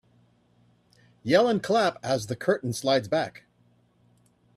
Yell and clap as the curtain slides back.